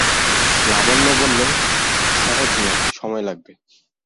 লাবণ্য বললে, সহজ নয়, সময় লাগবে।